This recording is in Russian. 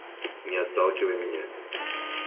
Не отталкивай меня.